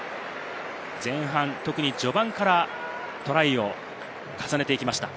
前半、特に序盤からトライを重ねていきました。